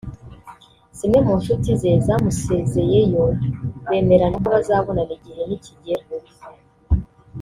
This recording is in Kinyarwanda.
zimwe mu nshuti ze zamusezeyeyo bemeranya ko bazabonana igihe nikigera